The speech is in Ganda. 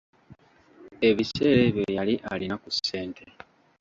Ebiseera ebyo yali alina ku ssente.